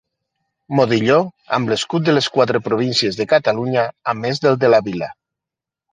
Modilló amb l'escut de les quatre províncies de Catalunya a més del de la Vila.